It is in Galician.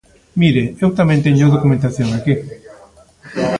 Mire, eu tamén teño documentación aquí.